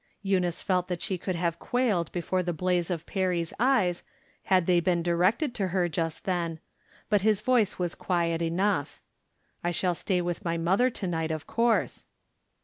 Eunice felt that she could have quaUed before the blaze of Perry's eyes, had they been directed to her, just then, but his voice was quiet enough :" I shall stay with my mother, to night, of course."